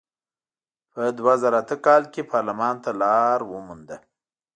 په دوه زره اته کال کې پارلمان ته لار ومونده.